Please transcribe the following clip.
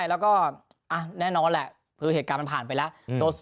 แล้วก็แน่นอนแหละคือเหตุการณ์มันผ่านไปแล้ว